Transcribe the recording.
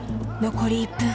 残り１分半。